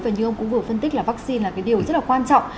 và như ông cũng vừa phân tích là vaccine là cái điều rất là quan trọng